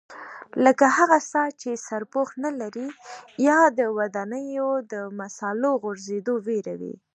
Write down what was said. لکه هغه څاه چې سرپوښ نه لري یا د ودانیو د مسالو غورځېدو وېره.